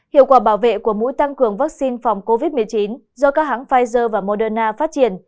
hiệu quả bảo vệ của mũi tăng cường vaccine phòng covid một mươi chín do các hãng pfizer và moderna phát triển